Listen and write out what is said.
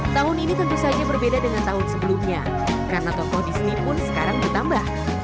tahun ini tentu saja berbeda dengan tahun sebelumnya karena tokoh disney pun sekarang ditambah